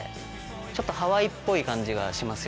ちょっとハワイっぽい感じがしますよね。